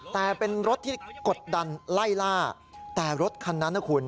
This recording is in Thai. แต่เป็นรถที่กดดันไล่ล่าแต่รถคันนั้นนะคุณ